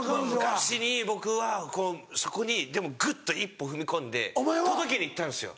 昔に僕はそこにでもグッと一歩踏み込んで届けに行ったんですよ。